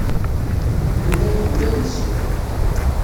Yuba iḥemmel ad isew.